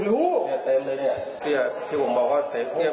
อืม